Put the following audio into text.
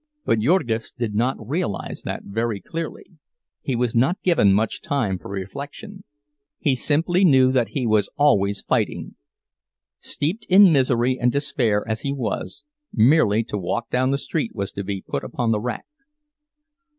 But Jurgis did not realize that very clearly; he was not given much time for reflection. He simply knew that he was always fighting. Steeped in misery and despair as he was, merely to walk down the street was to be put upon the rack.